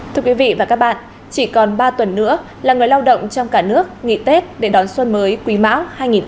thưa quý vị và các bạn chỉ còn ba tuần nữa là người lao động trong cả nước nghỉ tết để đón xuân mới quý mão hai nghìn hai mươi bốn